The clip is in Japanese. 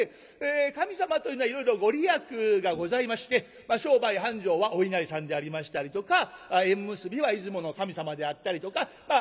神様というのはいろいろ御利益がございまして商売繁盛はお稲荷さんでありましたりとか縁結びは出雲の神様であったりとかまあ